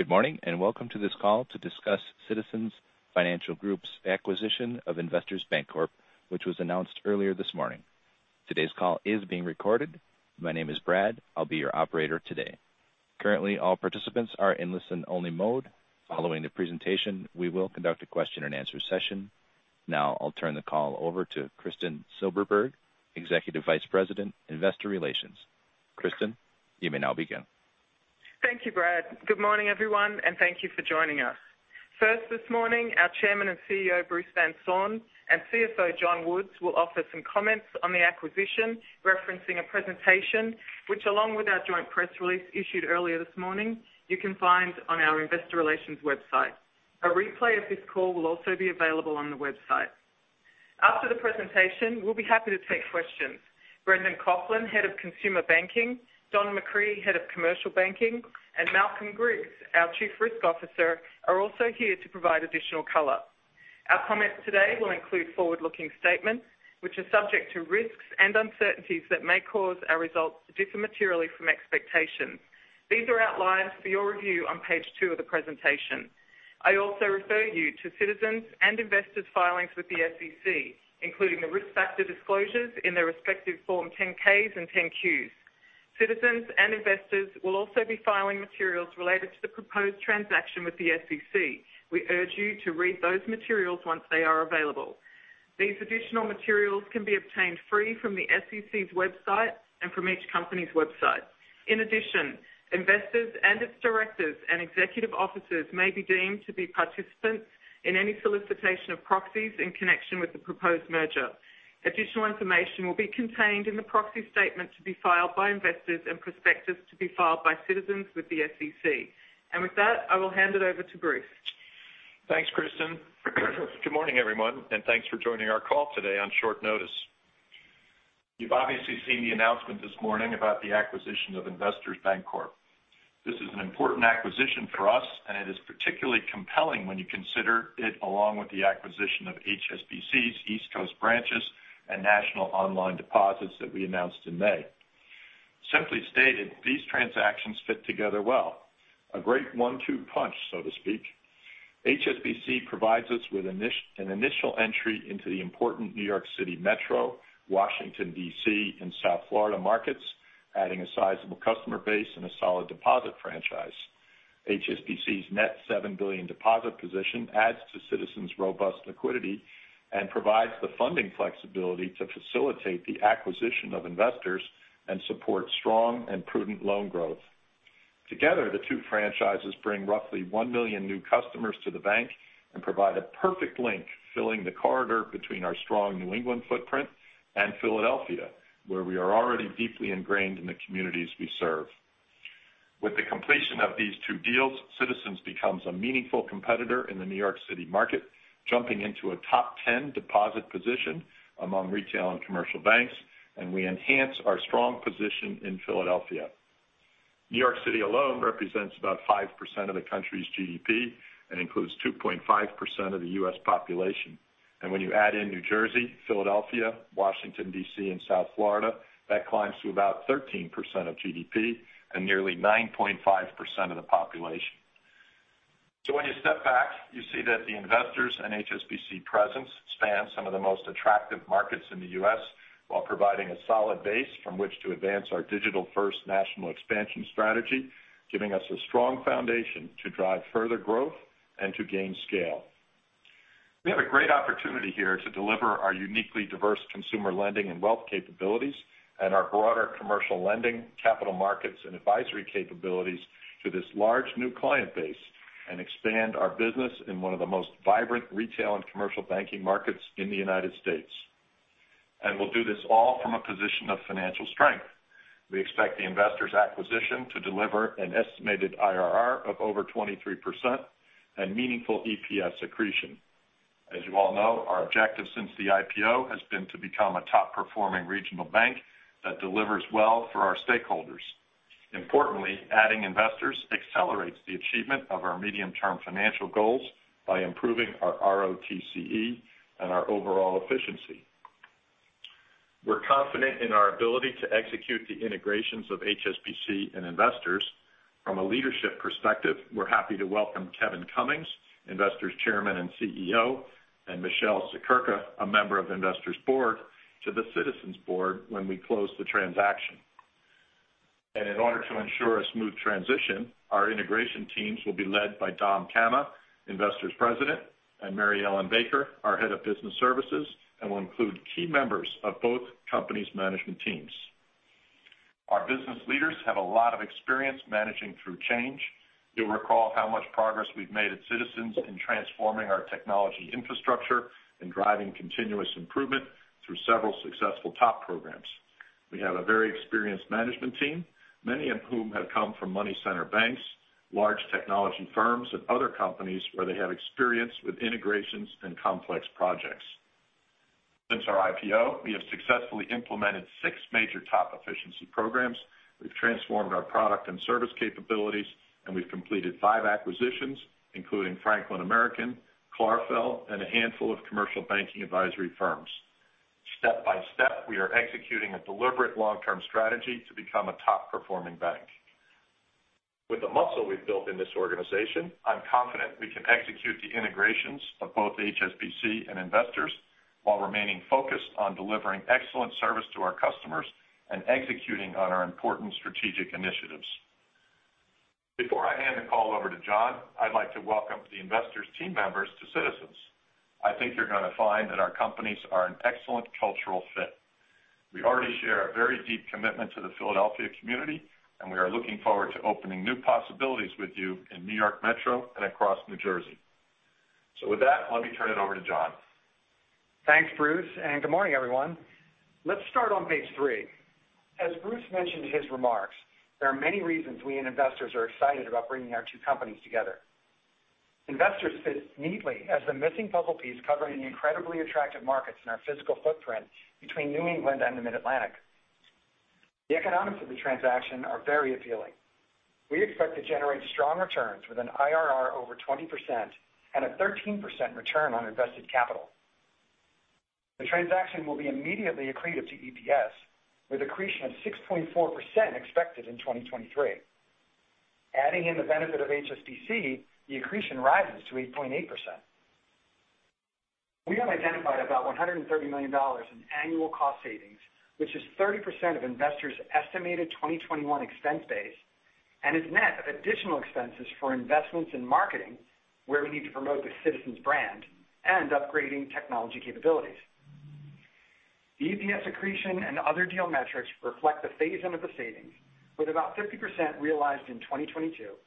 Good morning. Welcome to this call to discuss Citizens Financial Group's acquisition of Investors Bancorp, which was announced earlier this morning. Today's call is being recorded. My name is Brad. I'll be your operator today. Currently, all participants are in listen-only mode. Following the presentation, we will conduct a question and answer session. Now I'll turn the call over to Kristin Silberberg, Executive Vice President, Investor Relations. Kristin, you may now begin. Thank you, Brad. Good morning, everyone, and thank you for joining us. First this morning, our Chairman and CEO, Bruce Van Saun, and CFO, John Woods, will offer some comments on the acquisition, referencing a presentation which, along with our joint press release issued earlier this morning, you can find on our investor relations website. A replay of this call will also be available on the website. After the presentation, we'll be happy to take questions. Brendan Coughlin, Head of Consumer Banking, Don McCree, Head of Commercial Banking, and Malcolm Griggs, our Chief Risk Officer, are also here to provide additional color. Our comments today will include forward-looking statements, which are subject to risks and uncertainties that may cause our results to differ materially from expectations. These are outlined for your review on page two of the presentation. I also refer you to Citizens' and Investors' filings with the SEC, including the risk factor disclosures in their respective Form 10-Ks and 10-Qs. Citizens and Investors will also be filing materials related to the proposed transaction with the SEC. We urge you to read those materials once they are available. These additional materials can be obtained free from the SEC's website and from each company's website. In addition, Investors and its directors and executive officers may be deemed to be participants in any solicitation of proxies in connection with the proposed merger. Additional information will be contained in the proxy statement to be filed by Investors and prospectus to be filed by Citizens with the SEC. With that, I will hand it over to Bruce. Thanks, Kristin. Good morning, everyone, and thanks for joining our call today on short notice. You've obviously seen the announcement this morning about the acquisition of Investors Bancorp. This is an important acquisition for us, and it is particularly compelling when you consider it along with the acquisition of HSBC's East Coast branches and national online deposits that we announced in May. Simply stated, these transactions fit together well. A great one to two punch, so to speak. HSBC provides us with an initial entry into the important New York City Metro, Washington, D.C., and South Florida markets, adding a sizable customer base and a solid deposit franchise. HSBC's net $7 billion deposit position adds to Citizens' robust liquidity and provides the funding flexibility to facilitate the acquisition of Investors and support strong and prudent loan growth. Together, the two franchises bring roughly 1 million new customers to the bank and provide a perfect link, filling the corridor between our strong New England footprint and Philadelphia, where we are already deeply ingrained in the communities we serve. With the completion of these two deals, Citizens becomes a meaningful competitor in the New York City market, jumping into a top 10 deposit position among retail and commercial banks, and we enhance our strong position in Philadelphia. New York City alone represents about 5% of the country's GDP and includes 2.5% of the U.S. population. When you add in New Jersey, Philadelphia, Washington, D.C., and South Florida, that climbs to about 13% of GDP and nearly 9.5% of the population. When you step back, you see that the Investors and HSBC presence span some of the most attractive markets in the U.S. while providing a solid base from which to advance our digital-first national expansion strategy, giving us a strong foundation to drive further growth and to gain scale. We have a great opportunity here to deliver our uniquely diverse consumer lending and wealth capabilities and our broader commercial lending, capital markets, and advisory capabilities to this large new client base and expand our business in one of the most vibrant retail and commercial banking markets in the United States. We'll do this all from a position of financial strength. We expect the Investors acquisition to deliver an estimated IRR of over 23% and meaningful EPS accretion. As you all know, our objective since the IPO has been to become a top-performing regional bank that delivers well for our stakeholders. Importantly, adding Investors accelerates the achievement of our medium-term financial goals by improving our ROTCE and our overall efficiency. We're confident in our ability to execute the integrations of HSBC and Investors. From a leadership perspective, we're happy to welcome Kevin Cummings, Investors Chairman and CEO, and Michele Siekerka, a member of Investors' board, to the Citizens board when we close the transaction. In order to ensure a smooth transition, our integration teams will be led by Dom Cama, Investors President, and Mary Ellen Baker, our Head of Business Services, and will include key members of both companies' management teams. Our business leaders have a lot of experience managing through change. You'll recall how much progress we've made at Citizens in transforming our technology infrastructure and driving continuous improvement through several successful TOP programs. We have a very experienced management team, many of whom have come from money center banks, large technology firms, and other companies where they have experience with integrations and complex projects. Since our IPO, we have successfully implemented six major TOP efficiency programs. We've transformed our product and service capabilities, and we've completed five acquisitions, including Franklin American, Clarfeld, and a handful of commercial banking advisory firms. Step by step, we are executing a deliberate long-term strategy to become a top-performing bank. With the muscle we've built in this organization, I'm confident we can execute the integrations of both HSBC and Investors while remaining focused on delivering excellent service to our customers and executing on our important strategic initiatives. Before I hand the call over to John, I'd like to welcome the Investors team members to Citizens. I think you're going to find that our companies are an excellent cultural fit. We already share a very deep commitment to the Philadelphia community, and we are looking forward to opening new possibilities with you in New York Metro and across New Jersey. With that, let me turn it over to John. Thanks, Bruce. Good morning, everyone. Let's start on page three. As Bruce mentioned in his remarks, there are many reasons we and Investors are excited about bringing our two companies together. Investors fits neatly as the missing puzzle piece covering the incredibly attractive markets in our physical footprint between New England and the Mid-Atlantic. The economics of the transaction are very appealing. We expect to generate strong returns with an IRR over 20% and a 13% return on invested capital. The transaction will be immediately accretive to EPS, with accretion of 6.4% expected in 2023. Adding in the benefit of HSBC, the accretion rises to 8.8%. We have identified about $130 million in annual cost savings, which is 30% of Investors' estimated 2021 expense base and is net of additional expenses for investments in marketing, where we need to promote the Citizens brand and upgrading technology capabilities. The EPS accretion and other deal metrics reflect the phase-in of the savings, with about 50% realized in 2022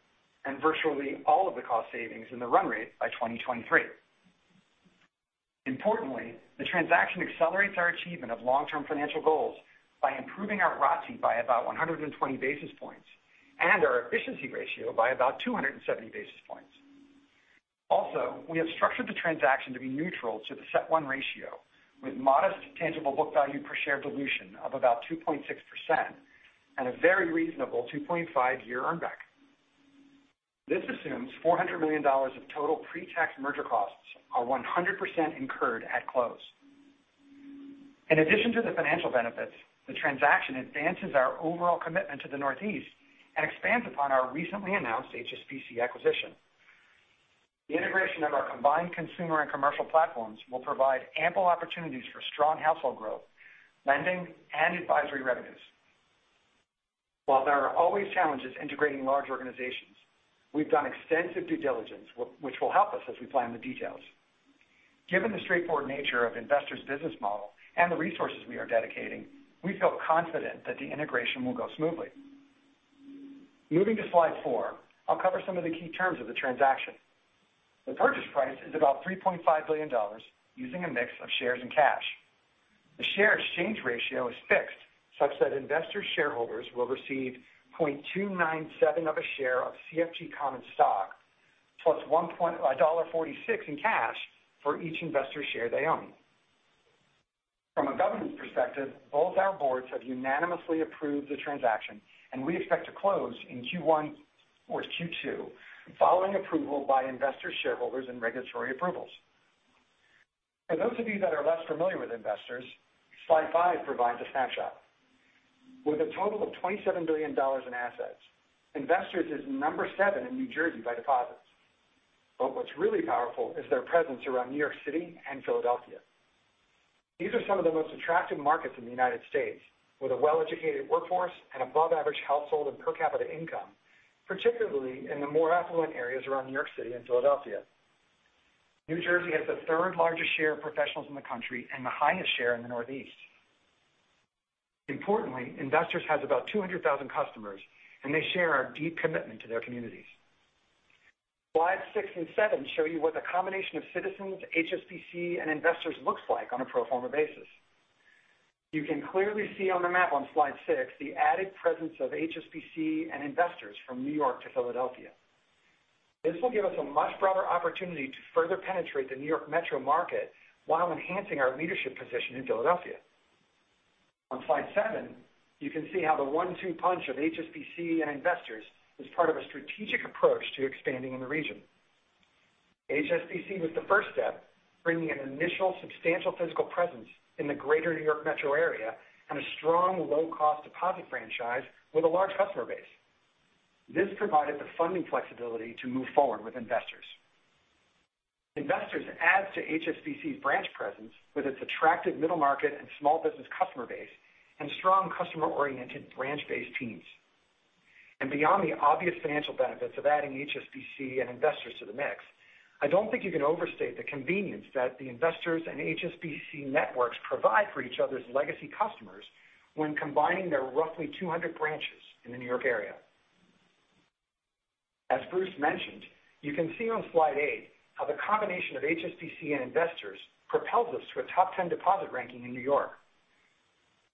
and virtually all of the cost savings in the run rate by 2023. Importantly, the transaction accelerates our achievement of long-term financial goals by improving our ROTCE by about 120 basis points and our efficiency ratio by about 270 basis points. Also, we have structured the transaction to be neutral to the CET1 ratio with modest tangible book value per share dilution of about 2.6% and a very reasonable 2.5 year earn-back. This assumes $400 million of total pre-tax merger costs are 100% incurred at close. In addition to the financial benefits, the transaction advances our overall commitment to the Northeast and expands upon our recently announced HSBC acquisition. The integration of our combined consumer and commercial platforms will provide ample opportunities for strong household growth, lending, and advisory revenues. While there are always challenges integrating large organizations, we've done extensive due diligence which will help us as we plan the details. Given the straightforward nature of Investors' business model and the resources we are dedicating, we feel confident that the integration will go smoothly. Moving to slide four, I'll cover some of the key terms of the transaction. The purchase price is about $3.5 billion using a mix of shares and cash. The share exchange ratio is fixed such that Investors' shareholders will receive 0.297 of a share of CFG common stock plus $1.46 in cash for each Investors share they own. From a governance perspective, both our boards have unanimously approved the transaction, and we expect to close in Q1 or Q2 following approval by Investors' shareholders and regulatory approvals. For those of you that are less familiar with Investors, slide five provides a snapshot. With a total of $27 billion in assets, Investors is number seven in New Jersey by deposits. What's really powerful is their presence around New York City and Philadelphia. These are some of the most attractive markets in the U.S., with a well-educated workforce and above average household and per capita income, particularly in the more affluent areas around New York City and Philadelphia. New Jersey has the third largest share of professionals in the country and the highest share in the Northeast. Importantly, Investors has about 200,000 customers, and they share our deep commitment to their communities. Slides six and seven show you what the combination of Citizens, HSBC, and Investors looks like on a pro forma basis. You can clearly see on the map on slide six the added presence of HSBC and Investors from New York to Philadelphia. This will give us a much broader opportunity to further penetrate the New York Metro market while enhancing our leadership position in Philadelphia. On slide seven, you can see how the one-two punch of HSBC and Investors is part of a strategic approach to expanding in the region. HSBC was the first step, bringing an initial substantial physical presence in the greater New York Metro area and a strong low-cost deposit franchise with a large customer base. This provided the funding flexibility to move forward with Investors. Investors adds to HSBC's branch presence with its attractive middle market and small business customer base and strong customer-oriented branch-based teams. Beyond the obvious financial benefits of adding HSBC and Investors to the mix, I don't think you can overstate the convenience that the Investors and HSBC networks provide for each other's legacy customers when combining their roughly 200 branches in the New York area. As Bruce mentioned, you can see on slide eight how the combination of HSBC and Investors propels us to a top 10 deposit ranking in New York.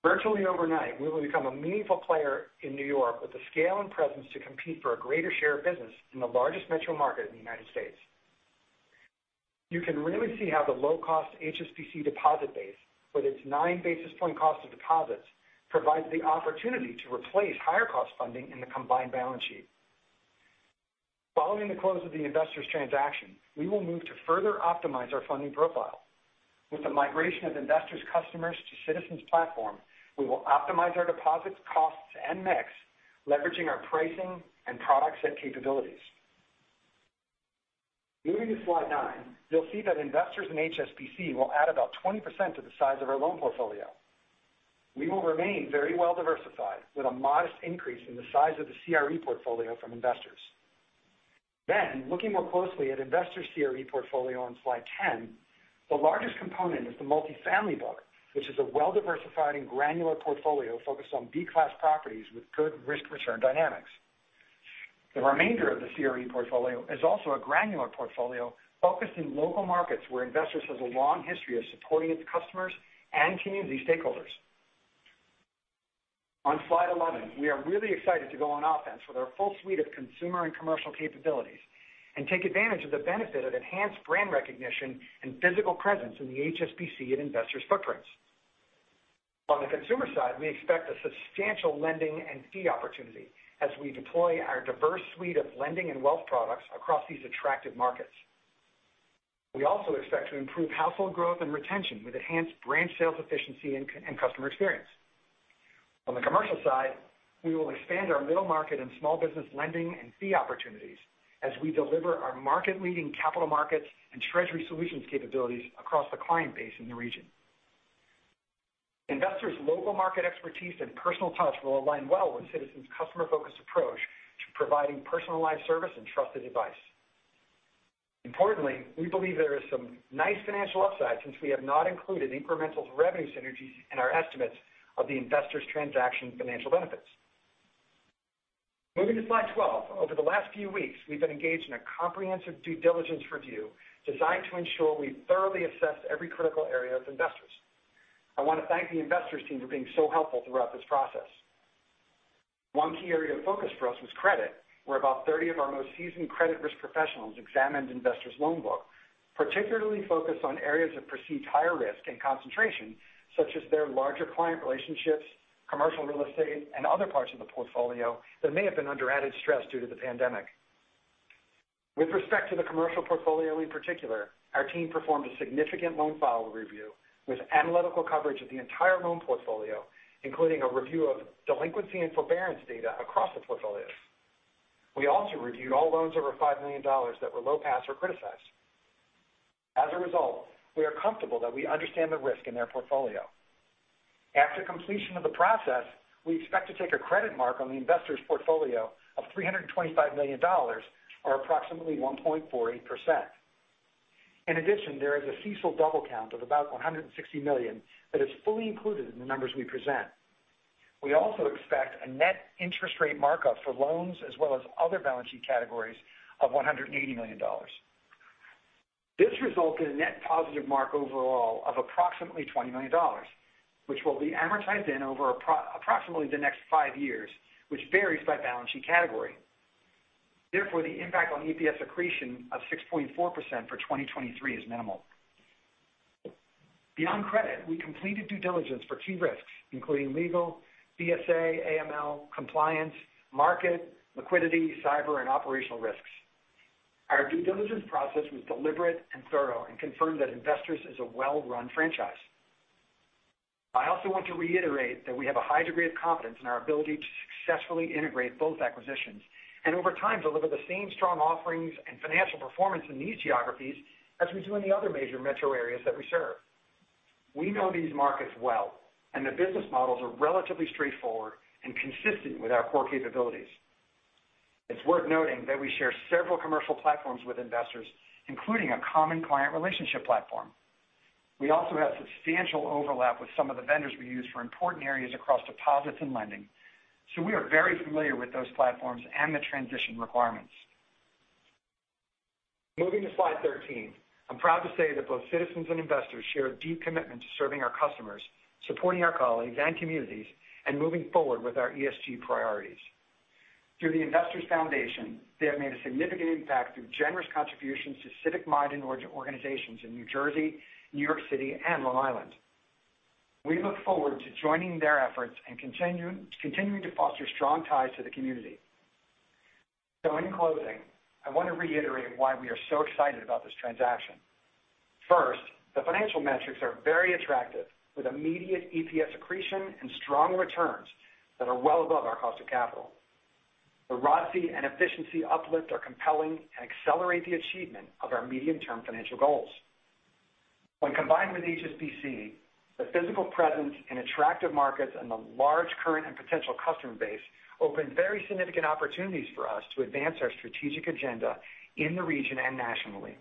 Virtually overnight, we will become a meaningful player in New York with the scale and presence to compete for a greater share of business in the largest metro market in the United States. You can really see how the low-cost HSBC deposit base, with its 9 basis point cost of deposits, provides the opportunity to replace higher cost funding in the combined balance sheet. Following the close of the Investors transaction, we will move to further optimize our funding profile. With the migration of Investors customers to Citizens platform, we will optimize our deposits, costs, and mix, leveraging our pricing and product set capabilities. Moving to slide nine, you'll see that Investors and HSBC will add about 20% to the size of our loan portfolio. We will remain very well-diversified, with a modest increase in the size of the CRE portfolio from Investors. Looking more closely at Investors' CRE portfolio on slide 10, the largest component is the multifamily book, which is a well-diversified and granular portfolio focused on B-class properties with good risk-return dynamics. The remainder of the CRE portfolio is also a granular portfolio focused in local markets where Investors has a long history of supporting its customers and community stakeholders. On slide 11, we are really excited to go on offense with our full suite of consumer and commercial capabilities and take advantage of the benefit of enhanced brand recognition and physical presence in the HSBC and Investors footprints. On the consumer side, we expect a substantial lending and fee opportunity as we deploy our diverse suite of lending and wealth products across these attractive markets. We also expect to improve household growth and retention with enhanced branch sales efficiency and customer experience. On the commercial side, we will expand our middle market and small business lending and fee opportunities as we deliver our market-leading capital markets and treasury solutions capabilities across the client base in the region. Investors' local market expertise and personal touch will align well with Citizens' customer-focused approach to providing personalized service and trusted advice. Importantly, we believe there is some nice financial upside since we have not included incremental revenue synergies in our estimates of the Investors transaction financial benefits. Moving to slide 12, over the last few weeks, we've been engaged in a comprehensive due diligence review designed to ensure we thoroughly assess every critical area of Investors. I want to thank the Investors team for being so helpful throughout this process. One key area of focus for us was credit, where about 30 of our most seasoned credit risk professionals examined Investors' loan book, particularly focused on areas of perceived higher risk and concentration, such as their larger client relationships, commercial real estate, and other parts of the portfolio that may have been under added stress due to the pandemic. With respect to the commercial portfolio in particular, our team performed a significant loan file review with analytical coverage of the entire loan portfolio, including a review of delinquency and forbearance data across the portfolios. We also reviewed all loans over $5 million that were low pass or criticized. As a result, we are comfortable that we understand the risk in their portfolio. After completion of the process, we expect to take a credit mark on the Investors portfolio of $325 million, or approximately 1.48%. In addition, there is a CECL double count of about $160 million that is fully included in the numbers we present. We also expect a net interest rate markup for loans as well as other balance sheet categories of $180 million. This results in a net positive mark overall of approximately $20 million, which will be amortized in over approximately the next five years, which varies by balance sheet category. Therefore, the impact on EPS accretion of 6.4% for 2023 is minimal. Beyond credit, we completed due diligence for key risks, including legal, BSA, AML, compliance, market, liquidity, cyber, and operational risks. Our due diligence process was deliberate and thorough and confirmed that Investors is a well-run franchise. I also want to reiterate that we have a high degree of confidence in our ability to successfully integrate both acquisitions, and over time deliver the same strong offerings and financial performance in these geographies as we do in the other major metro areas that we serve. We know these markets well, and the business models are relatively straightforward and consistent with our core capabilities. It's worth noting that we share several commercial platforms with Investors, including a common client relationship platform. We also have substantial overlap with some of the vendors we use for important areas across deposits and lending, so we are very familiar with those platforms and the transition requirements. Moving to slide 13, I'm proud to say that both Citizens and Investors share a deep commitment to serving our customers, supporting our colleagues and communities, and moving forward with our ESG priorities. Through the Investors Foundation, they have made a significant impact through generous contributions to civic-minded organizations in New Jersey, New York City, and Long Island. We look forward to joining their efforts and continuing to foster strong ties to the community. In closing, I want to reiterate why we are so excited about this transaction. First, the financial metrics are very attractive, with immediate EPS accretion and strong returns that are well above our cost of capital. The ROTCE and efficiency uplift are compelling and accelerate the achievement of our medium-term financial goals. When combined with HSBC, the physical presence in attractive markets and the large current and potential customer base open very significant opportunities for us to advance our strategic agenda in the region and nationally.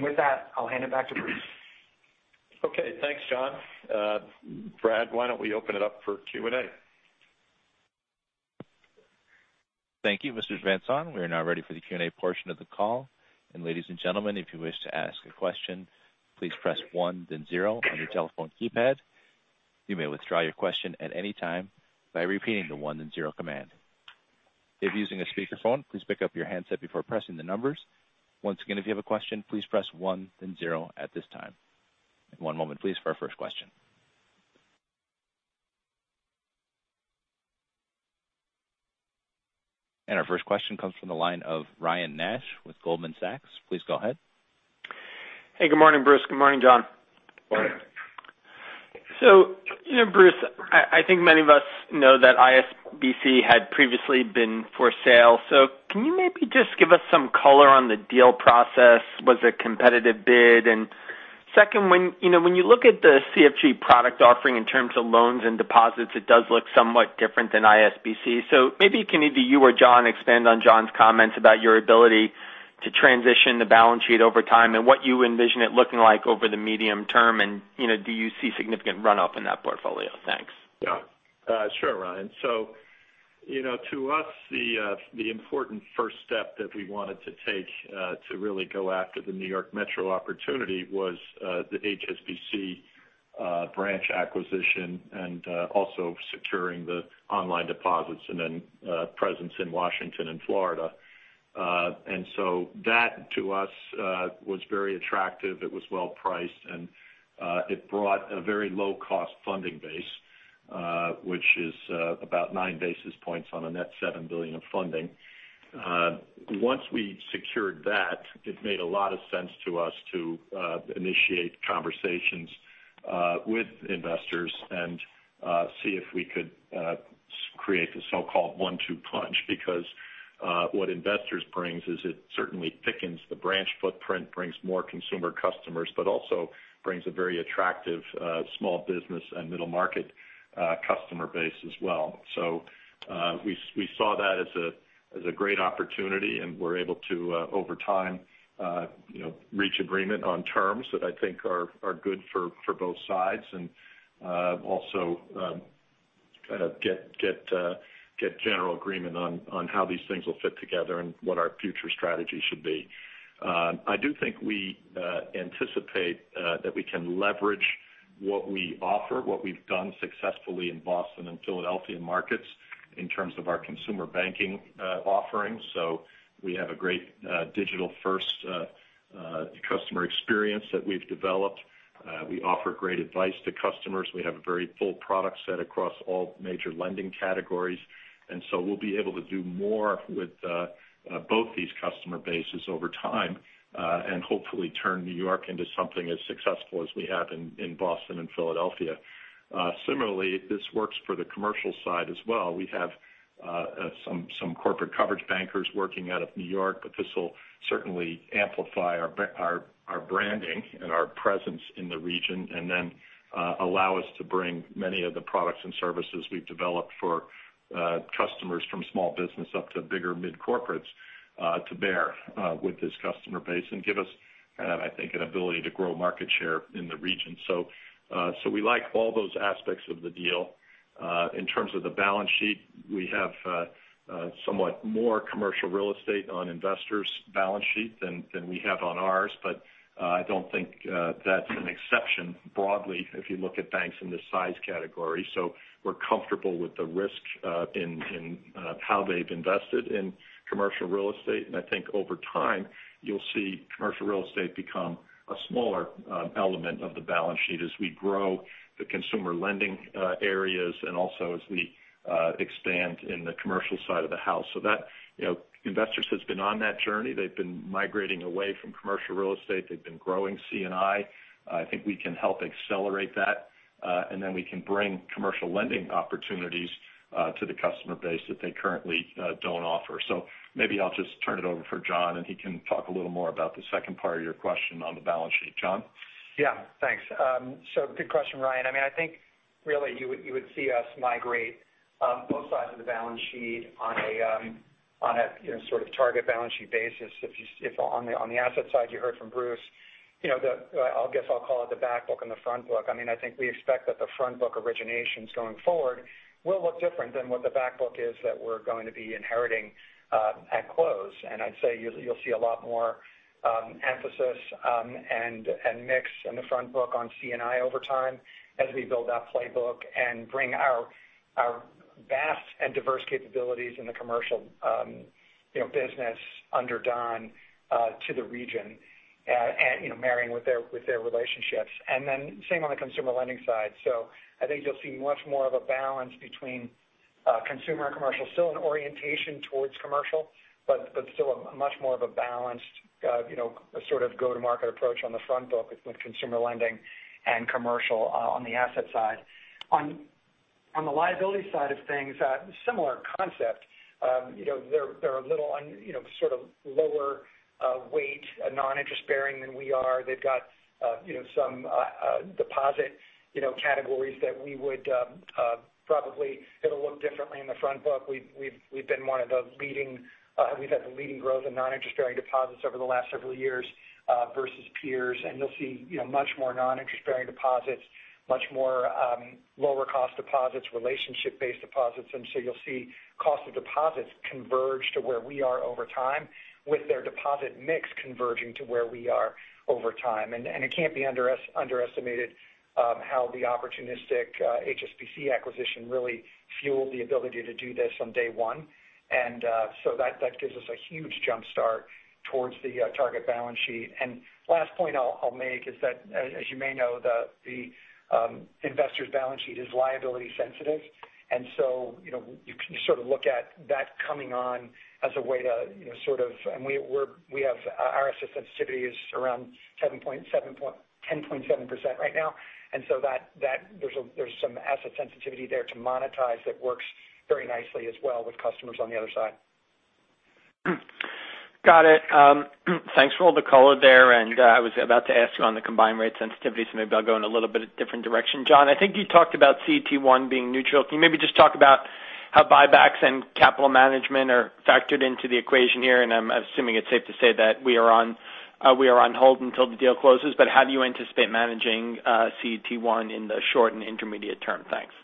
With that, I'll hand it back to Bruce. Okay. Thanks, John. Brad, why don't we open it up for Q&A? Thank you, Mr. Van Saun. We are now ready for the Q&A portion of the call. Ladies and gentlemen, if you wish to ask a question, please press one then zero on your telephone keypad. You may withdraw your question at any time by repeating the one then zero command. If using a speakerphone, please pick up your handset before pressing the numbers. Once again, if you have a question, please press one then zero at this time. One moment please for our first question. Our first question comes from the line of Ryan Nash with Goldman Sachs. Please go ahead. Hey, good morning, Bruce. Good morning, John. Morning. Bruce, I think many of us know that ISBC had previously been for sale. Can you maybe just give us some color on the deal process? Was it a competitive bid? Second, when you look at the CFG product offering in terms of loans and deposits, it does look somewhat different than ISBC. Maybe can either you or John expand on John's comments about your ability to transition the balance sheet over time, and what you envision it looking like over the medium-term, and do you see significant run-up in that portfolio? Thanks. Yeah. Sure, Ryan. To us, the important first step that we wanted to take to really go after the New York Metro opportunity was the HSBC branch acquisition and also securing the online deposits and then presence in Washington and Florida. That, to us, was very attractive. It was well-priced, and it brought a very low-cost funding base, which is about 9 basis points on a net $7 billion of funding. Once we secured that, it made a lot of sense to us to initiate conversations with Investors and see if we could create the so-called one to two punch. Because what Investors brings is it certainly thickens the branch footprint, brings more consumer customers, but also brings a very attractive small business and middle-market customer base as well. We saw that as a great opportunity, and were able to, over time, reach agreement on terms that I think are good for both sides and also get general agreement on how these things will fit together and what our future strategy should be. I do think we anticipate that we can leverage what we offer, what we've done successfully in Boston and Philadelphia markets in terms of our consumer banking offerings. We have a great digital-first customer experience that we've developed. We offer great advice to customers. We have a very full product set across all major lending categories. We'll be able to do more with both these customer bases over time, and hopefully turn New York into something as successful as we have in Boston and Philadelphia. Similarly, this works for the commercial side as well. We have some corporate coverage bankers working out of New York, but this will certainly amplify our branding and our presence in the region and then allow us to bring many of the products and services we've developed for customers from small business up to bigger mid-corporates to bear with this customer base and give us, I think, an ability to grow market share in the region. We like all those aspects of the deal. In terms of the balance sheet, we have somewhat more commercial real estate on Investors' balance sheet than we have on ours, but I don't think that's an exception broadly if you look at banks in this size category. We're comfortable with the risk in how they've invested in commercial real estate. I think over time, you'll see commercial real estate become a smaller element of the balance sheet as we grow the consumer lending areas and also as we expand in the commercial side of the house. Investors has been on that journey. They've been migrating away from commercial real estate. They've been growing C&I. I think we can help accelerate that, and then we can bring commercial lending opportunities to the customer base that they currently don't offer. Maybe I'll just turn it over for John, and he can talk a little more about the second part of your question on the balance sheet. John? Yeah. Thanks. Good question, Ryan. I think really you would see us migrate both sides of the balance sheet on a sort of target balance sheet basis. On the asset side, you heard from Bruce. I guess I'll call it the back book and the front book. I think we expect that the front book originations going forward will look different than what the back book is that we're going to be inheriting at close. I'd say you'll see a lot more emphasis and mix in the front book on C&I over time as we build out playbook and bring our vast and diverse capabilities in the commercial business under Don to the region, marrying with their relationships. Same on the consumer lending side. I think you'll see much more of a balance between consumer and commercial. Still an orientation towards commercial, but still a much more of a balanced go-to-market approach on the front book with consumer lending and commercial on the asset side. On the liability side of things, similar concept. They're a little lower weight non-interest bearing than we are. They've got some deposit categories that we would probably it'll look differently in the front book. We've had the leading growth in non-interest-bearing deposits over the last several years versus peers. You'll see much more non-interest-bearing deposits, much more lower cost deposits, relationship-based deposits. You'll see cost of deposits converge to where we are over time with their deposit mix converging to where we are over time. It can't be underestimated how the opportunistic HSBC acquisition really fueled the ability to do this from day one. That gives us a huge jumpstart towards the target balance sheet. Last point I'll make is that, as you may know, the Investors balance sheet is liability sensitive. You can look at that coming on as a way to our asset sensitivity is around 10.7% right now. There's some asset sensitivity there to monetize that works very nicely as well with customers on the other side. Got it. Thanks for all the color there. I was about to ask you on the combined rate sensitivity, so maybe I'll go in a little bit different direction. John, I think you talked about CET1 being neutral. Can you maybe just talk about how buybacks and capital management are factored into the equation here? I'm assuming it's safe to say that we are on hold until the deal closes. How do you anticipate managing CET1 in the short and intermediate term? Thanks.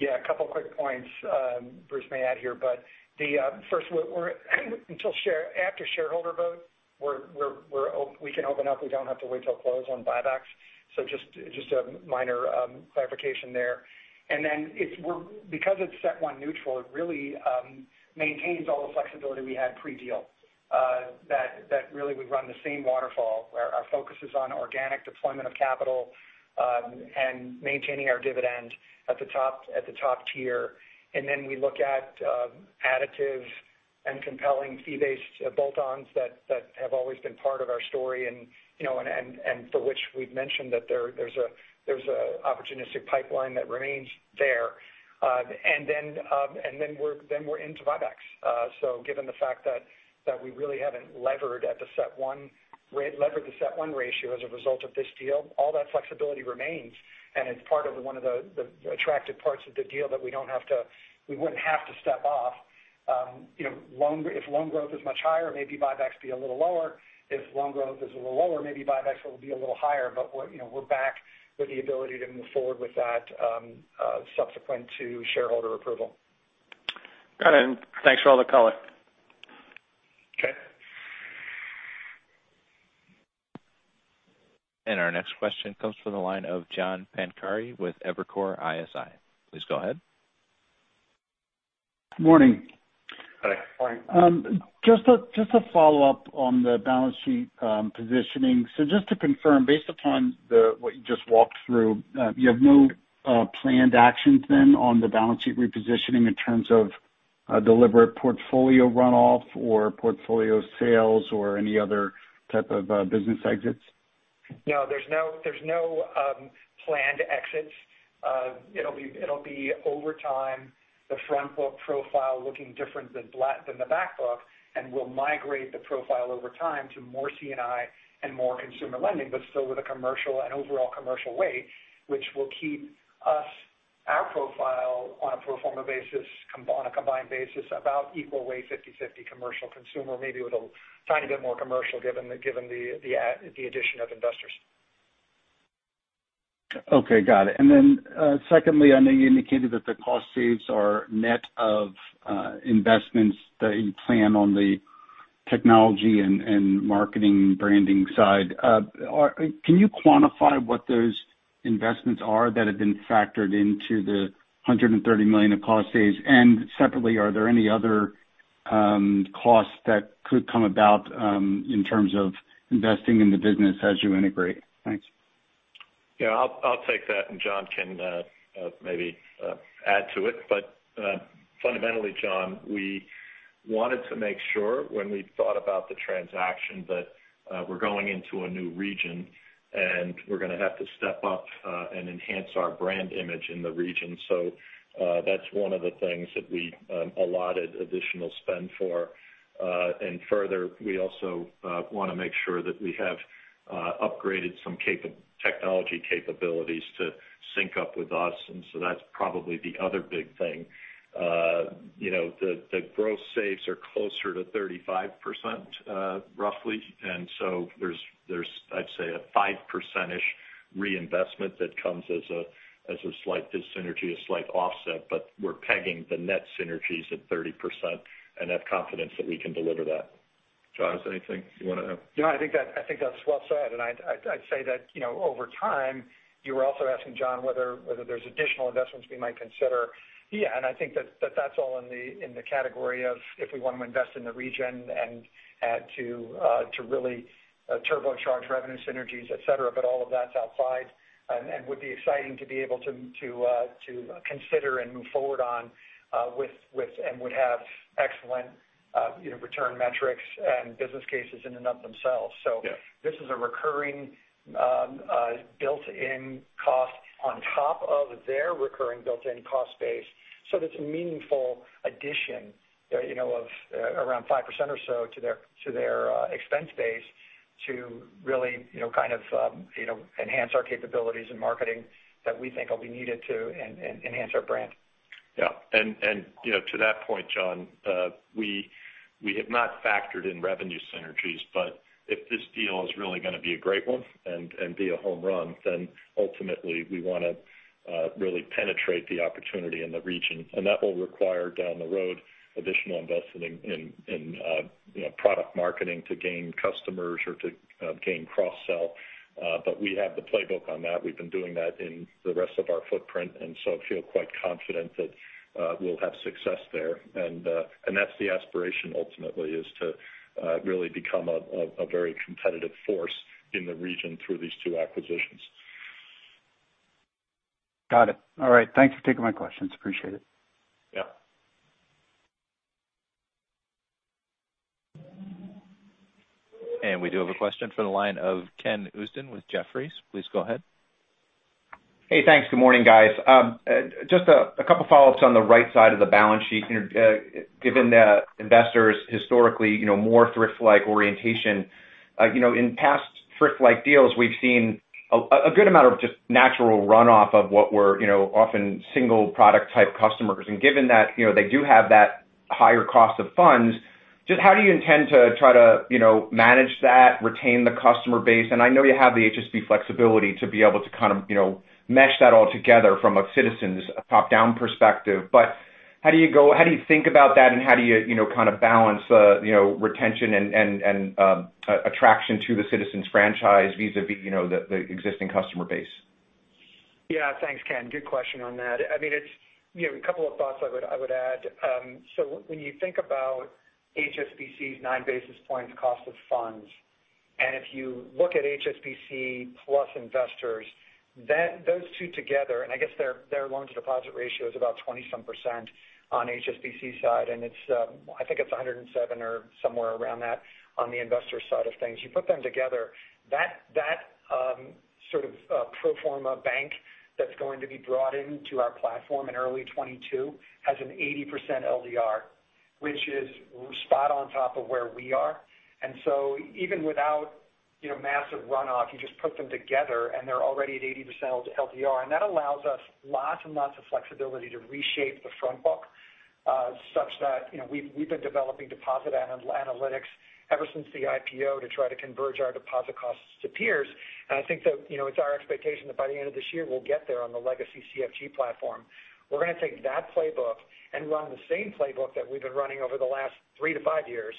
Yeah. A couple of quick points. Bruce may add here, but first, after shareholder vote, we can open up. We don't have to wait till close on buybacks. Just a minor clarification there. Because it's CET1 neutral, it really maintains all the flexibility we had pre-deal that really would run the same waterfall where our focus is on organic deployment of capital and maintaining our dividend at the top tier. We look at additive and compelling fee-based bolt-ons that have always been part of our story, and for which we've mentioned that there's an opportunistic pipeline that remains there. We're into buybacks. Given the fact that we really haven't levered the CET1 ratio as a result of this deal, all that flexibility remains, and it's part of one of the attractive parts of the deal that we wouldn't have to step off. If loan growth is much higher, maybe buybacks be a little lower. If loan growth is a little lower, maybe buybacks will be a little higher. We're back with the ability to move forward with that subsequent to shareholder approval. Got it. Thanks for all the color. Okay. Our next question comes from the line of John Pancari with Evercore ISI. Please go ahead. Morning. Hi. Morning. Just to follow up on the balance sheet positioning. Just to confirm, based upon what you just walked through, you have no planned actions then on the balance sheet repositioning in terms of deliberate portfolio runoff or portfolio sales or any other type of business exits? No, there's no planned exits. It'll be over time, the front book profile looking different than the back book, and we'll migrate the profile over time to more C&I and more consumer lending, but still with a commercial and overall commercial weight, which will keep our profile on a pro forma basis, on a combined basis, about equal weight, 50/50 commercial consumer, maybe with a tiny bit more commercial given the addition of Investors. Okay, got it. Secondly, I know you indicated that the cost saves are net of investments that you plan on the technology and marketing branding side. Can you quantify what those investments are that have been factored into the $130 million of cost saves? Separately, are there any other costs that could come about in terms of investing in the business as you integrate? Thanks. I'll take that. John can maybe add to it. Fundamentally, John, we wanted to make sure when we thought about the transaction that we're going into a new region and we're going to have to step up and enhance our brand image in the region. That's one of the things that we allotted additional spend for. Further, we also want to make sure that we have upgraded some technology capabilities to sync up with us. That's probably the other big thing. The gross saves are closer to 35%, roughly. There's I'd say a 5%-ish reinvestment that comes as a slight dis-synergy, a slight offset, but we're pegging the net synergies at 30% and have confidence that we can deliver that. John, is there anything you want to add? No, I think that's well said. I'd say that over time, you were also asking, John, whether there's additional investments we might consider. Yeah, I think that's all in the category of if we want to invest in the region and to really turbocharge revenue synergies, et cetera. All of that's outside and would be exciting to be able to consider and move forward on with and would have excellent return metrics and business cases in and of themselves. Yeah. This is a recurring built-in cost on top of their recurring built-in cost base. It's a meaningful addition of around 5% or so to their expense base to really enhance our capabilities in marketing that we think will be needed to enhance our brand. Yeah. To that point, John, we have not factored in revenue synergies. If this deal is really going to be a great one and be a home run, ultimately we want to really penetrate the opportunity in the region. That will require down the road additional investment in product marketing to gain customers or to gain cross-sell. We have the playbook on that. We've been doing that in the rest of our footprint, feel quite confident that we'll have success there. That's the aspiration ultimately is to really become a very competitive force in the region through these two acquisitions. Got it. All right. Thanks for taking my questions. Appreciate it. Yeah. We do have a question for the line of Ken Usdin with Jefferies. Please go ahead. Hey, thanks. Good morning, guys. Just a couple follow-ups on the right side of the balance sheet. Given the Investors historically more thrift-like orientation. In past thrift-like deals, we've seen a good amount of just natural runoff of what were often single product type customers. Given that they do have that higher cost of funds, just how do you intend to try to manage that, retain the customer base? I know you have the HSBC flexibility to be able to kind of mesh that all together from a Citizens top-down perspective. How do you think about that, and how do you kind of balance retention and attraction to the Citizens franchise vis-a-vis the existing customer base? Thanks, Ken. Good question on that. A couple of thoughts I would add. When you think about HSBC's nine basis points cost of funds, and if you look at HSBC plus Investors, those two together, and I guess their loan-to-deposit ratio is about 20-some% on HSBC side, and I think it's 107 or somewhere around that on the Investors side of things. You put them together, that sort of pro forma bank that's going to be brought into our platform in early 2022 has an 80% LDR, which is spot on top of where we are. Even without massive runoff, you just put them together, and they're already at 80% LDR. That allows us lots and lots of flexibility to reshape the front book such that we've been developing deposit analytics ever since the IPO to try to converge our deposit costs to peers. I think that it's our expectation that by the end of this year, we'll get there on the legacy CFG platform. We're going to take that playbook and run the same playbook that we've been running over the last three to five years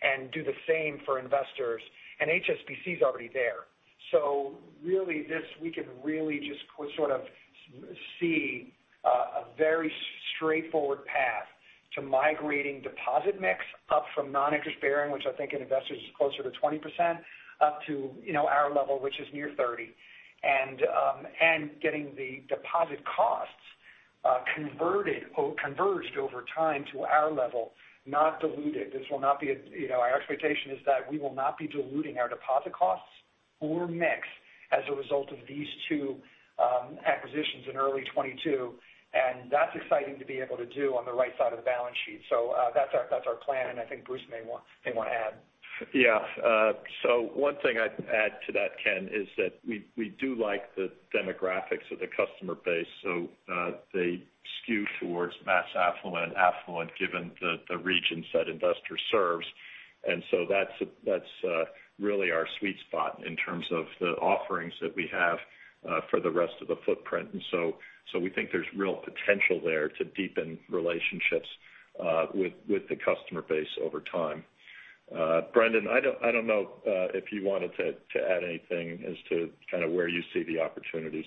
and do the same for Investors. HSBC's already there. We can really just sort of see a very straightforward path to migrating deposit mix up from non-interest-bearing, which I think in Investors is closer to 20%, up to our level, which is near 30%, and getting the deposit costs converged over time to our level, not diluted. Our expectation is that we will not be diluting our deposit costs or mix as a result of these two acquisitions in early 2022, and that's exciting to be able to do on the right side of the balance sheet. That's our plan, and I think Bruce may want to add. Yeah. One thing I'd add to that, Ken, is that we do like the demographics of the customer base. They skew towards mass affluent, given the regions that Investors serves. That's really our sweet spot in terms of the offerings that we have for the rest of the footprint. We think there's real potential there to deepen relationships with the customer base over time. Brendan, I don't know if you wanted to add anything as to kind of where you see the opportunities.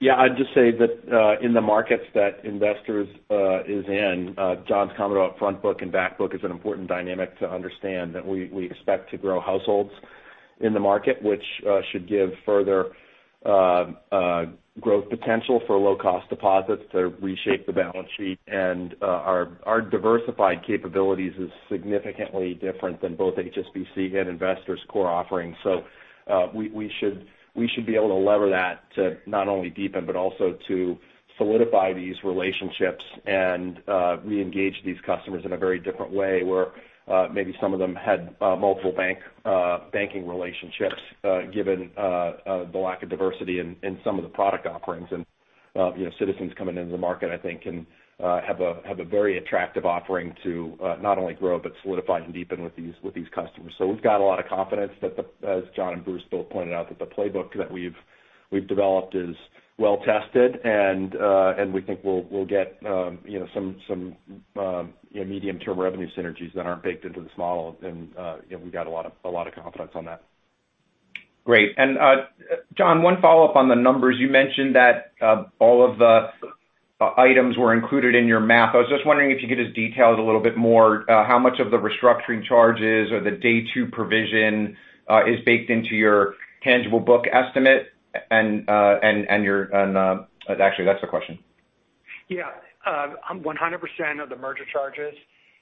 Yeah. I'd just say that in the markets that Investors is in, John's comment about front book and back book is an important dynamic to understand that we expect to grow households in the market, which should give further growth potential for low-cost deposits to reshape the balance sheet. Our diversified capabilities is significantly different than both HSBC and Investors' core offerings. We should be able to lever that to not only deepen but also to solidify these relationships and reengage these customers in a very different way where maybe some of them had multiple banking relationships given the lack of diversity in some of the product offerings. Citizens coming into the market, I think, can have a very attractive offering to not only grow but solidify and deepen with these customers. We've got a lot of confidence that, as John and Bruce both pointed out, that the playbook that we've developed is well-tested, and we think we'll get some medium-term revenue synergies that aren't baked into this model. We've got a lot of confidence on that. Great. John, one follow-up on the numbers. You mentioned that all of the items were included in your math. I was just wondering if you could just detail it a little bit more, how much of the restructuring charges or the day two provision is baked into your tangible book estimate, and actually, that's the question. 100% of the merger charges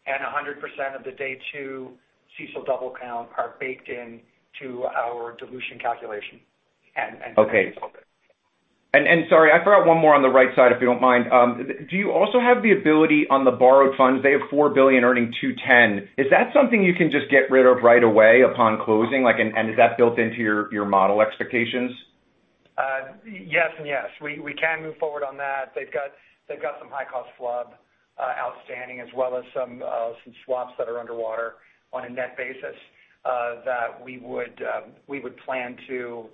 and 100% of the day two CECL double count are baked into our dilution calculation and going forward. Okay. Sorry, I forgot one more on the right side, if you don't mind. Do you also have the ability on the borrowed funds? They have $4 billion earning 210. Is that something you can just get rid of right away upon closing? Is that built into your model expectations? Yes and yes. We can move forward on that. They've got some high-cost FHLB outstanding as well as some swaps that are underwater on a net basis that we would plan to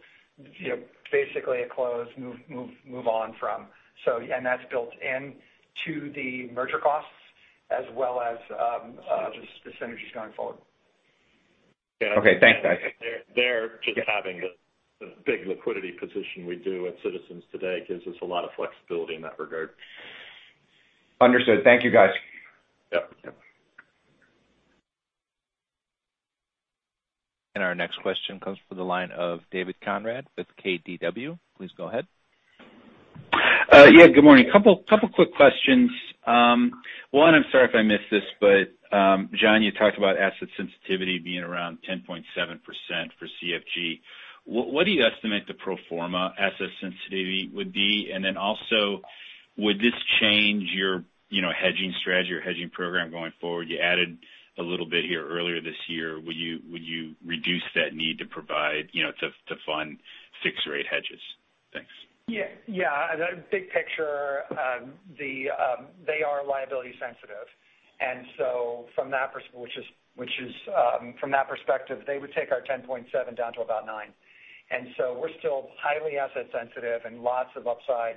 basically at close move on from. That's built into the merger costs as well as the synergies going forward. Okay. Thanks, guys. There, just having the big liquidity position we do at Citizens today gives us a lot of flexibility in that regard. Understood. Thank you, guys. Yep. Yep. Our next question comes from the line of David Konrad with KBW. Please go ahead. Yeah. Good morning. Couple quick questions. One, I'm sorry if I missed this, but John, you talked about asset sensitivity being around 10.7% for CFG. What do you estimate the pro forma asset sensitivity would be? Also, would this change your hedging strategy or hedging program going forward? You added a little bit here earlier this year. Would you reduce that need to provide to fund fixed-rate hedges? Thanks. Yeah. Big picture, they are liability sensitive. From that perspective, they would take our 10.7 down to about 9. We're still highly asset sensitive and lots of upside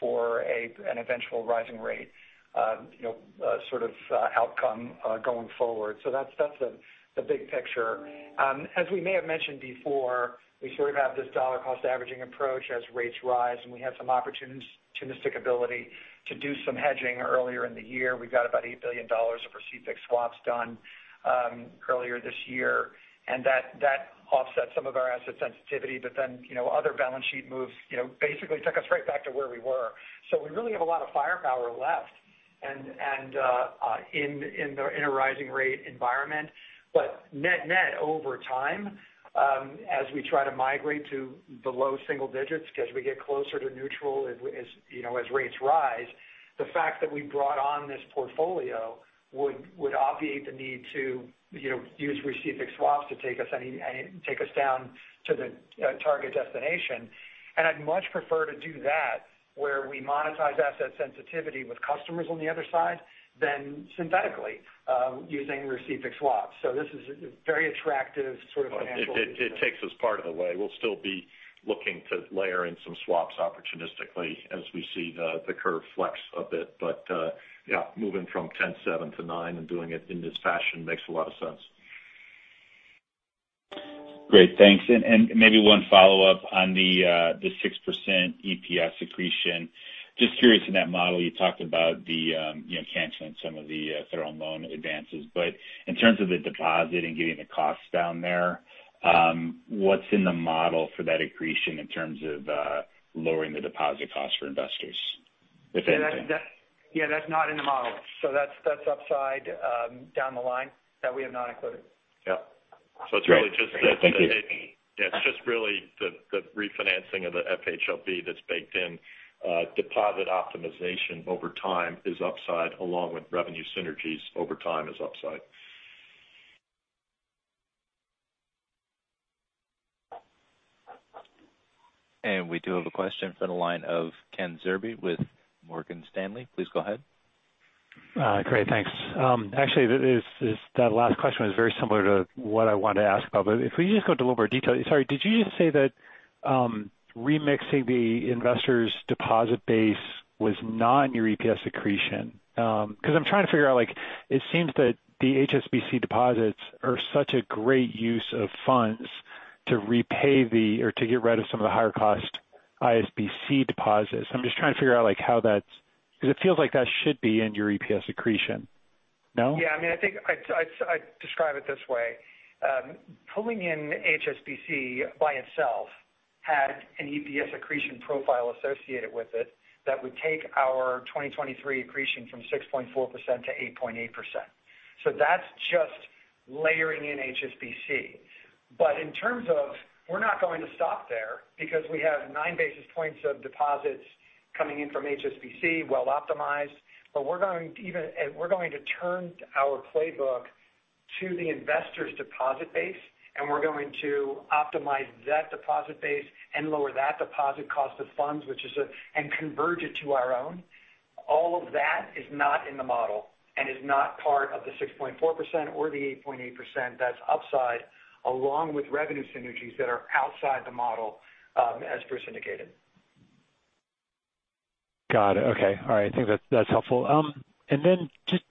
for an eventual rising rate sort of outcome going forward. That's the big picture. As we may have mentioned before, we sort of have this dollar cost averaging approach as rates rise, and we have some opportunistic ability to do some hedging earlier in the year. We've got about $8 billion of receive-fixed swaps done earlier this year, and that offsets some of our asset sensitivity. Other balance sheet moves basically took us right back to where we were. We really have a lot of firepower left and in a rising rate environment. Net over time, as we try to migrate to the low single digits because we get closer to neutral as rates rise, the fact that we brought on this portfolio would obviate the need to use received-fixed swaps to take us down to the target destination. I'd much prefer to do that where we monetize asset sensitivity with customers on the other side than synthetically using received-fixed swaps. It takes us part of the way. We'll still be looking to layer in some swaps opportunistically as we see the curve flex a bit. Yeah, moving from 10.7-9 and doing it in this fashion makes a lot of sense. Great, thanks. Maybe one follow-up on the 6% EPS accretion. Just curious, in that model, you talked about the canceling some of the federal loan advances. In terms of the deposit and getting the costs down there, what's in the model for that accretion in terms of lowering the deposit cost for Investors, if anything? Yeah, that's not in the model. That's upside down the line that we have not included. Yep. Great. Thank you. Yeah, it's just really the refinancing of the FHLB that's baked in. Deposit optimization over time is upside along with revenue synergies over time is upside. We do have a question from the line of Ken Zerbe with Morgan Stanley. Please go ahead. Great, thanks. Actually, that last question was very similar to what I wanted to ask about. If we just go into a little more detail. Sorry, did you just say that remixing the Investors' deposit base was not in your EPS accretion? I'm trying to figure out, it seems that the HSBC deposits are such a great use of funds to repay the, or to get rid of some of the higher cost ISBC deposits. I'm just trying to figure out how that's because it feels like that should be in your EPS accretion. No? Yeah. I'd describe it this way. Pulling in HSBC by itself had an EPS accretion profile associated with it that would take our 2023 accretion from 6.4%- 8.8%. That's just layering in HSBC. In terms of we're not going to stop there because we have 9 basis points of deposits coming in from HSBC, well optimized. We're going to turn our playbook to the Investors' deposit base, and we're going to optimize that deposit base and lower that deposit cost of funds, and converge it to our own. All of that is not in the model and is not part of the 6.4% or the 8.8% that's upside, along with revenue synergies that are outside the model as Bruce indicated. Got it. Okay. All right. I think that's helpful. Just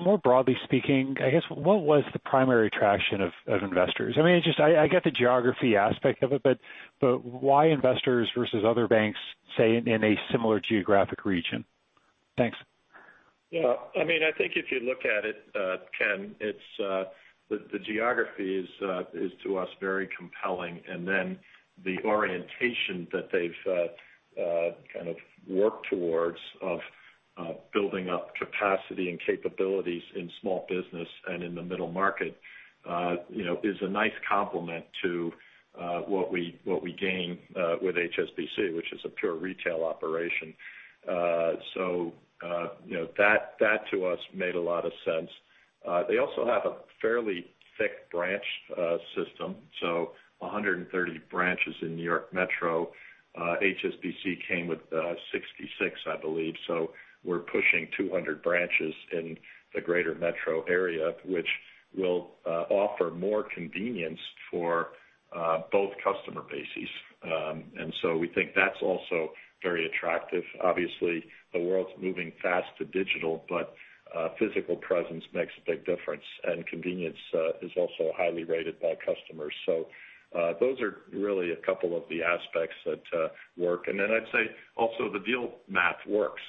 more broadly speaking, I guess, what was the primary attraction of Investors? I get the geography aspect of it, why Investors versus other banks, say, in a similar geographic region? Thanks. I think if you look at it, Ken, the geography is to us very compelling. The orientation that they've kind of worked towards of building up capacity and capabilities in small business and in the middle market is a nice complement to what we gain with HSBC, which is a pure retail operation. That to us made a lot of sense. They also have a fairly thick branch system, so 130 branches in New York Metro. HSBC came with 66, I believe. We're pushing 200 branches in the greater metro area, which will offer more convenience for both customer bases. We think that's also very attractive. Obviously, the world's moving fast to digital, but physical presence makes a big difference, and convenience is also highly rated by customers. Those are really a couple of the aspects that work. I'd say also the deal math works.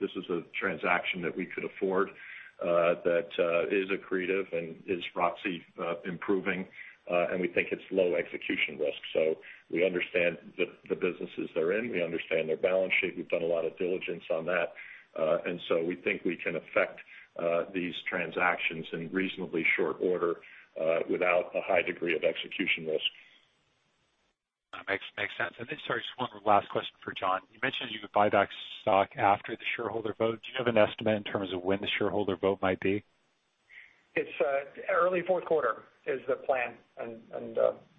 This is a transaction that we could afford that is accretive and is ROIC improving and we think it's low execution risk. We understand the businesses they're in. We understand their balance sheet. We've done a lot of diligence on that. We think we can effect these transactions in reasonably short order without a high degree of execution risk. Makes sense. Sorry, just one last question for John? You mentioned you could buy back stock after the shareholder vote. Do you have an estimate in terms of when the shareholder vote might be? It's early fourth quarter is the plan.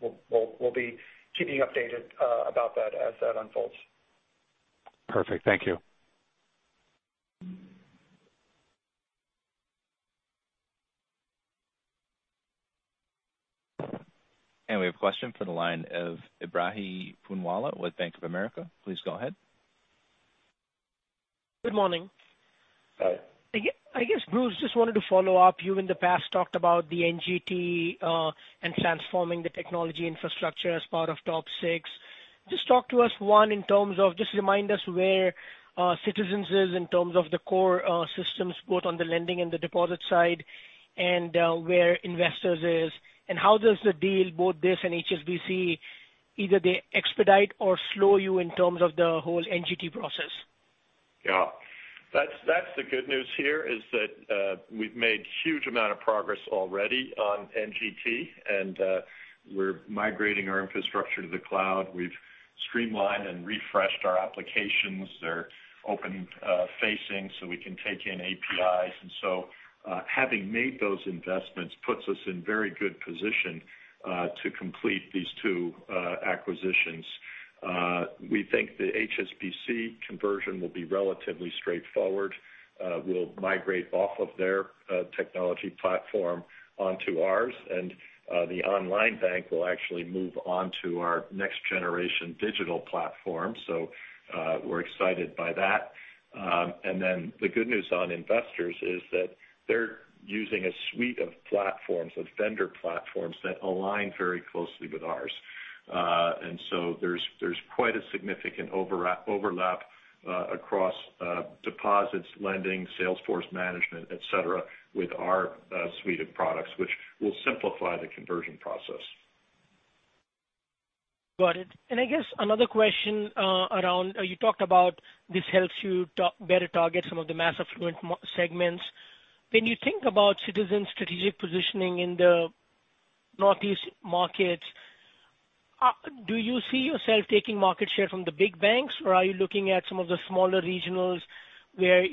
We'll be keeping you updated about that as that unfolds. Perfect. Thank you. We have a question for the line of Ebrahim Poonawala with Bank of America. Please go ahead. Good morning. Hi. I guess, Bruce, just wanted to follow up. You in the past talked about the NGT and transforming the technology infrastructure as part of TOP 6. Just talk to us, one, just remind us where Citizens is in terms of the core systems, both on the lending and the deposit side, and where Investors is, and how does the deal, both this and HSBC, either they expedite or slow you in terms of the whole NGT process? Yeah. That's the good news here is that we've made huge amount of progress already on NGT and we're migrating our infrastructure to the cloud. We've streamlined and refreshed our applications. They're open facing so we can take in APIs. Having made those investments puts us in very good position to complete these two acquisitions. We think the HSBC conversion will be relatively straightforward. We'll migrate off of their technology platform onto ours. The online bank will actually move on to our next generation digital platform. We're excited by that. The good news on Investors is that they're using a suite of platforms, of vendor platforms that align very closely with ours. There's quite a significant overlap across deposits, lending, sales force management, et cetera, with our suite of products, which will simplify the conversion process. Got it. I guess another question around, you talked about this helps you better target some of the mass affluent segments. When you think about Citizens' strategic positioning in the Northeast markets, do you see yourself taking market share from the big banks, or are you looking at some of the smaller regionals where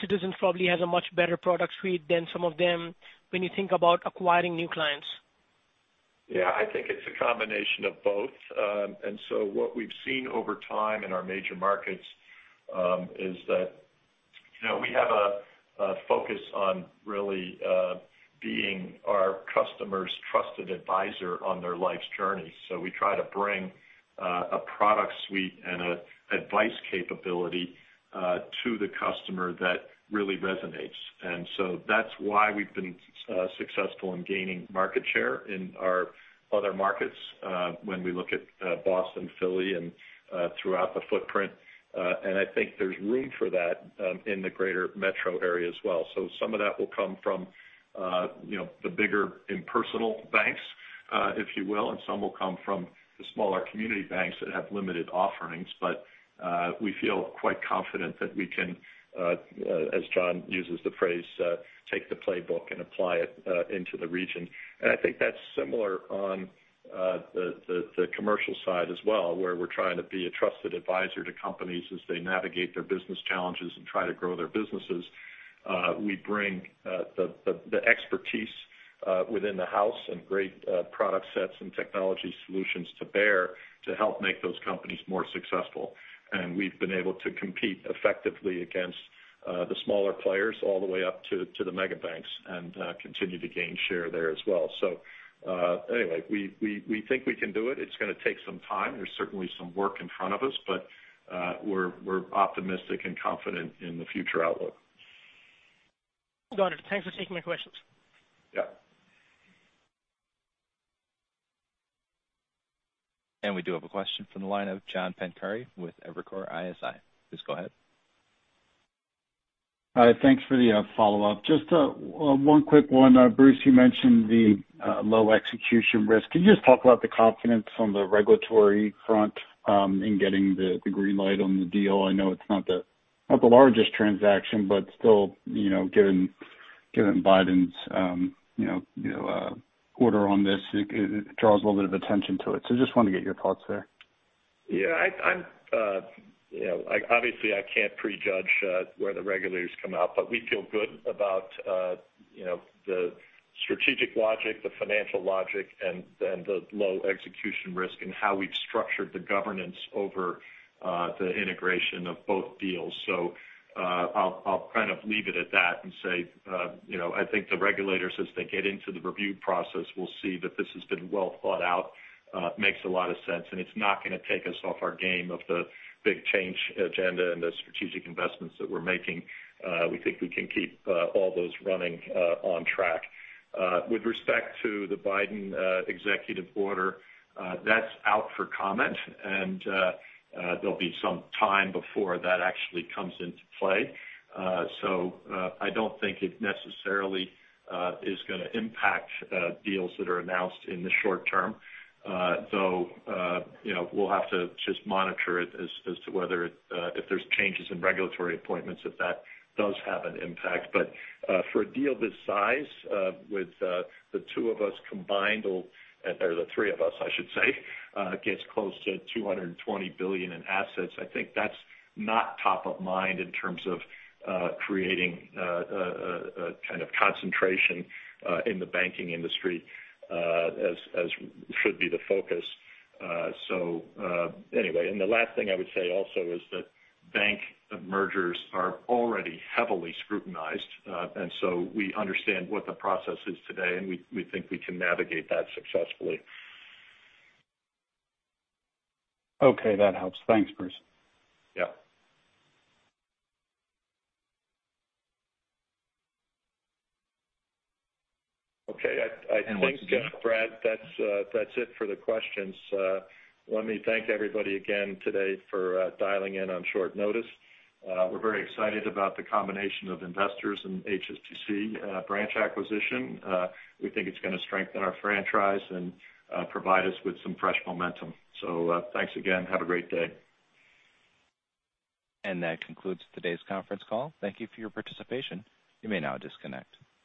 Citizens probably has a much better product suite than some of them when you think about acquiring new clients? Yeah, I think it's a combination of both. What we've seen over time in our major markets is that we have a focus on really being our customers' trusted advisor on their life's journey. We try to bring a product suite and advice capability to the customer that really resonates. That's why we've been successful in gaining market share in our other markets when we look at Boston, Philly, and throughout the footprint. I think there's room for that in the greater metro area as well. Some of that will come from the bigger impersonal banks, if you will, and some will come from the smaller community banks that have limited offerings. We feel quite confident that we can, as John uses the phrase, take the playbook and apply it into the region. I think that's similar on the commercial side as well, where we're trying to be a trusted advisor to companies as they navigate their business challenges and try to grow their businesses. We bring the expertise within the house and great product sets and technology solutions to bear to help make those companies more successful. We've been able to compete effectively against the smaller players all the way up to the mega banks and continue to gain share there as well. Anyway, we think we can do it. It's going to take some time. There's certainly some work in front of us, but we're optimistic and confident in the future outlook. Got it. Thanks for taking my questions. Yeah. We do have a question from the line of John Pancari with Evercore ISI. Please go ahead. Hi. Thanks for the follow-up. Just one quick one. Bruce, you mentioned the low execution risk. Can you just talk about the confidence on the regulatory front in getting the green light on the deal? I know it's not the largest transaction, but still, given Biden's order on this, it draws a little bit of attention to it. Just want to get your thoughts there. Obviously, I can't prejudge where the regulators come out, we feel good about the strategic logic, the financial logic, and the low execution risk and how we've structured the governance over the integration of both deals. I'll kind of leave it at that and say I think the regulators, as they get into the review process, will see that this has been well thought out, makes a lot of sense, and it's not going to take us off our game of the big change agenda and the strategic investments that we're making. We think we can keep all those running on track. With respect to the Biden executive order, that's out for comment, there'll be some time before that actually comes into play. I don't think it necessarily is going to impact deals that are announced in the short-term. We'll have to just monitor it as to whether if there's changes in regulatory appointments, if that does have an impact. For a deal this size with the two of us combined, or the three of us, I should say, gets close to 220 billion in assets. I think that's not top of mind in terms of creating a kind of concentration in the banking industry as should be the focus. The last thing I would say also is that bank mergers are already heavily scrutinized. We understand what the process is today, and we think we can navigate that successfully. Okay, that helps. Thanks, Bruce. Yeah. Okay. I think, Brad, that's it for the questions. Let me thank everybody again today for dialing in on short notice. We're very excited about the combination of Investors and HSBC branch acquisition. We think it's going to strengthen our franchise and provide us with some fresh momentum. Thanks again. Have a great day. That concludes today's conference call. Thank you for your participation. You may now disconnect.